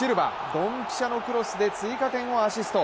ドンピシャのクロスで追加点をアシスト。